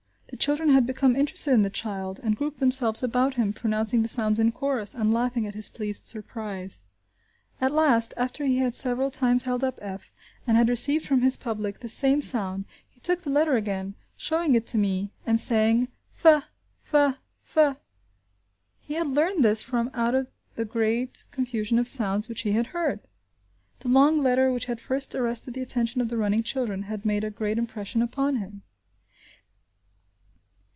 The children had become interested in the child, and grouped themselves about him, pronouncing the sounds in chorus, and laughing at his pleased surprise. At last, after he had several times held up f, and had received from his public the same sound, he took the letter again, showing it to me, and saying, "f, f, f!" He had learned this from out the great confusion of sounds which he had heard: the long letter which had first arrested the attention of the running children, had made a great impression upon him.